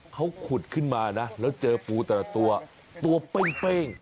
เขาขุดขึ้นมานะแล้วเจอปูแต่ละตัวตัวเป้ง